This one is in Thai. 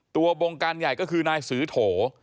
บงการใหญ่ก็คือนายสือโถ